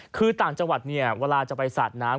คือต่างจังหวัดเวลาจะไปสานน้ำ